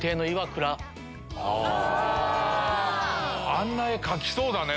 あんな絵描きそうだね